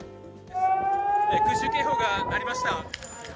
空襲警報が鳴りました。